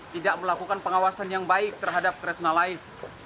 tidak melakukan pengawasan yang baik terhadap kresna lain